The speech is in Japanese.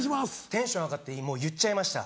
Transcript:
テンション上がってもう言っちゃいました。